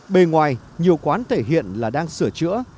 bề ngoài nhiều quán thể hiện là đang sửa chữa